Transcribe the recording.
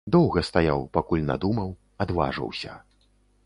Доўга стаяў, пакуль надумаў, адважыўся.